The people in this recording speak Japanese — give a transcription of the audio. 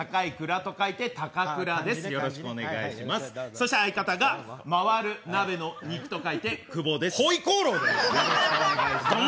そして相方が回る鍋の肉と書いて久保です回鍋肉だよお前！